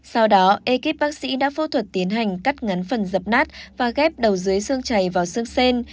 sau đó ekip bác sĩ đã phẫu thuật tiến hành cắt ngắn phần dập nát và ghép đầu dưới xương chảy vào xương sen